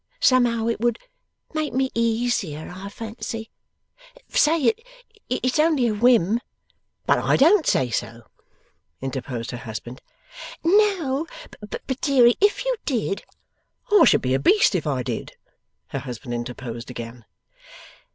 Somehow, it would make me easier, I fancy. Say it's only a whim ' 'But I don't say so,' interposed her husband. 'No, but deary, if you did ' 'I should be a Beast if I did,' her husband interposed again.